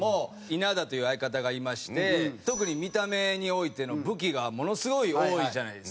稲田という相方がいまして特に見た目においての武器がものすごい多いじゃないですか。